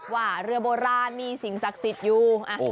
ว่าเรือโบราณมีสิ่งศักดิ์สิทธิ์อยู่